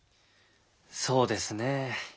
そうですねえ